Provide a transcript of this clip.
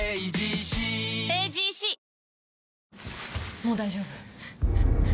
もう大丈夫。